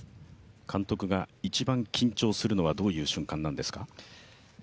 監督が一番緊張するのはどんな瞬間なんですか？